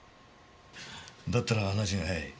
だったら話が早い。